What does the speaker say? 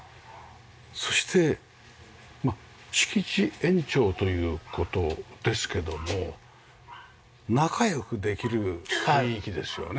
そして敷地延長という事ですけども仲良くできる雰囲気ですよね。